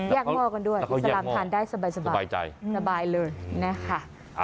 แยกหม้อกันด้วยสามารถทานได้สบายสบายสบายใจสบายเลยนะคะ